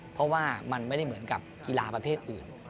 เพราะว่ามันไม่ได้เหมือนกับกีฬาประเภทอื่น